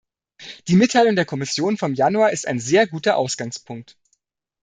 Die Mitteilung der Kommission vom Januar ist ein sehr guter Ausgangspunkt.